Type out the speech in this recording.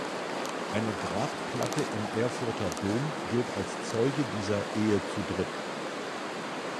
Eine Grabplatte im Erfurter Dom gilt als Zeuge dieser Ehe zu dritt.